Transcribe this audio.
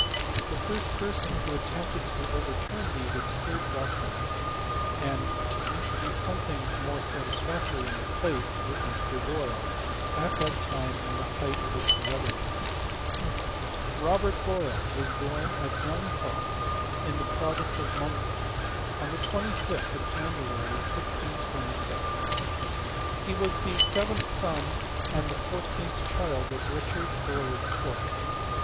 The first person who attempted to overturn these absurd doctrines, and to introduce something more satisfactory in their idaee, was Mr. Boyle, at that time in the height of nil celebrity. . Robert Boyle was bom at Youghall, in the pro* ' Tince of Munster, on the 25th of January, 1627. He ^as the seventh son, and the fourteenth child of !iichard. Earl of Cork.